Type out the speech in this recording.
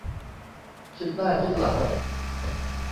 คิดหน้าคิดหลัง